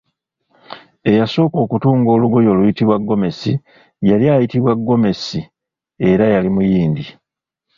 Eyasooka okutunga olugoye oluyitibwa gomesi yali ayitibwa Gomesi era yali Muyindi.